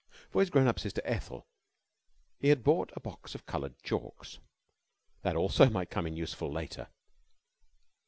For his grown up sister Ethel he had bought a box of coloured chalks. That also might come in useful later.